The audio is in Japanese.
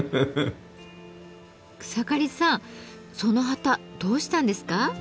草刈さんその旗どうしたんですか？